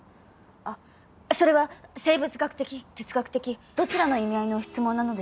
あっそれは生物学的哲学的どちらの意味合いの質問なのでしょうか？